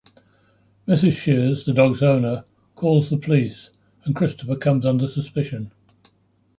Mrs Shears, the dog's owner, calls the police, and Christopher comes under suspicion.